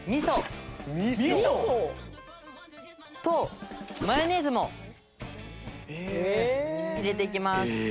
味噌？とマヨネーズも入れていきます。